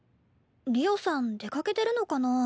りおさん出かけてるのかな？